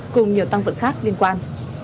cùng nhiều tăng vật khác liên quan